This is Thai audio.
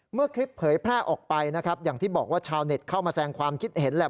เมื่อคลิปเผยแพร่ออกไปนะครับอย่างที่บอกว่าชาวเน็ตเข้ามาแสงความคิดเห็นแหละ